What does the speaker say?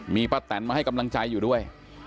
มีป้าแตนมาให้กำลังใจอยู่ด้วย